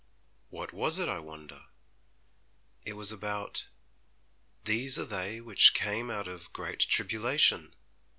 'What was it, I wonder?' 'It was about "these are they which came out of great tribulation!"'